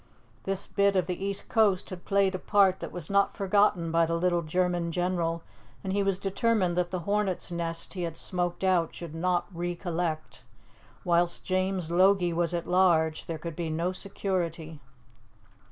This bit of the east coast had played a part that was not forgotten by the little German general, and he was determined that the hornet's nest he had smoked out should not re collect. Whilst James Logie was at large there could be no security.